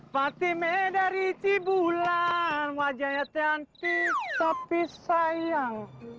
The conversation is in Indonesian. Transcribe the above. fatime dari cibulan wajahnya cantik tapi sayang